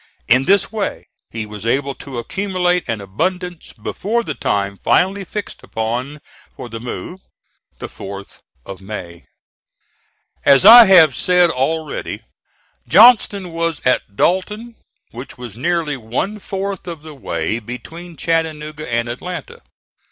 In this way he was able to accumulate an abundance before the time finally fixed upon for the move, the 4th of May. As I have said already, Johnston was at Dalton, which was nearly one fourth of the way between Chattanooga and Atlanta.